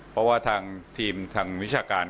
เพราะว่าทางทีมทางวิชาการ